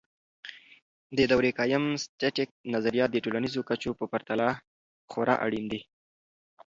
د دورکهايم.static نظریات د ټولنیزو کچو په پرتله خورا اړین دي.